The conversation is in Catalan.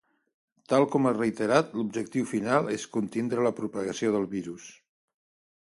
Tal com ha reiterat, l’objectiu final és “contindre la propagació del virus”.